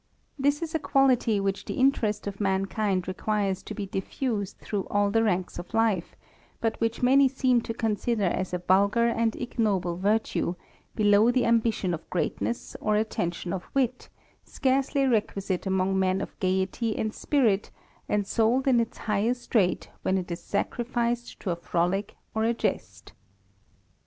This is a quality which the interest of mankind requires to be diffused through all the ranks of life, but which many seem to consider as a vulgar and ignoble virtue, below the ambition of greatness or attention of wit, scarcely requisite among men of gaiety and spirit, and sold at its highest rate when it is sacrificed to a frolick or a jest.